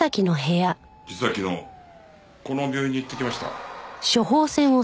実は昨日この病院に行ってきました。